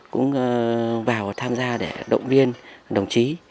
cũng vào tham gia để động viên đồng chí